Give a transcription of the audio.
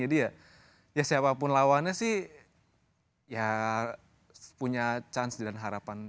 jadi ya siapapun lawannya sih ya punya chance dan harapan